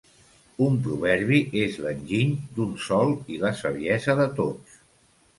Un proverbi és l'enginy d'un sol i la saviesa de tots.